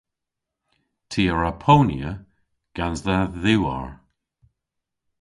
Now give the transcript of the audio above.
Ty a wra ponya gans dha dhiwarr.